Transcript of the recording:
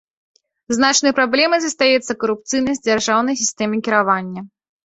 Значнай праблемай застаецца карупцыйнасць дзяржаўнай сістэмы кіравання.